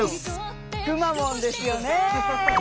くまモンですよね。